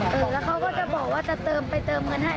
แล้วเขาก็จะบอกว่าจะเติมไปเติมเงินให้